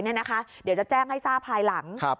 เดี๋ยวจะแจ้งให้ทราบภายหลัง